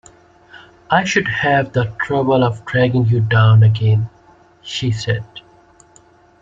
“I should have the trouble of dragging you down again,” she said.